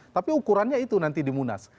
tapi ukurannya itu nanti dimunas